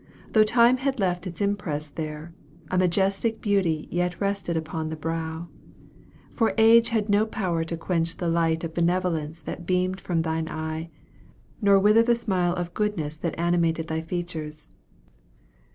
Though Time had left his impress there, a majestic beauty yet rested upon thy brow; for age had no power to quench the light of benevolence that beamed from thine eye, nor wither the smile of goodness that animated thy features.